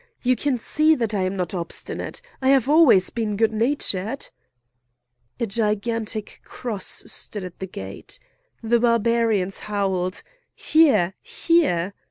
You can see that I am not obstanite! I have always been good natured!" A gigantic cross stood at the gate. The Barbarians howled: "Here! here!"